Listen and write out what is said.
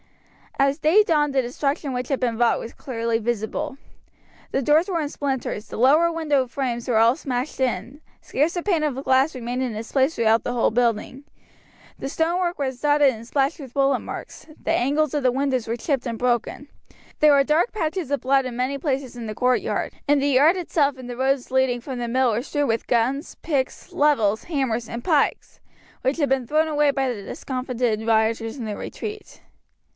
As day dawned the destruction which had been wrought was clearly visible. The doors were in splinters, the lower window frames were all smashed in, scarce a pane of glass remained in its place throughout the whole building, the stonework was dotted and splashed with bullet marks, the angles of the windows were chipped and broken, there were dark patches of blood in many places in the courtyard, and the yard itself and the roads leading from the mill were strewn with guns, picks, levers, hammers, and pikes, which had been thrown away by the discomfited rioters in their retreat.